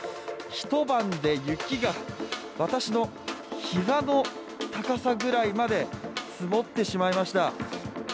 一晩で雪が、私の膝の高さくらいまで積もってしまいました。